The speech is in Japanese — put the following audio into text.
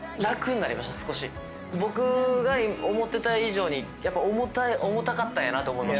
僕が思ってた以上にやっぱ重たかったんやなって思いました。